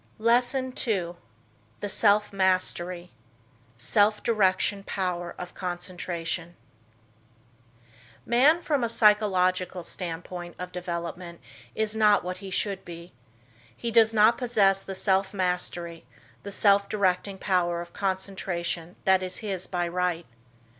LESSON II. THE SELF MASTERY: SELF DIRECTION POWER OF CONCENTRATION Man from a psychological standpoint of development is not what he should be. He does not possess the self mastery, the self directing power of concentration that is his by right.